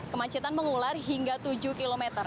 kemacetan mengular hingga tujuh km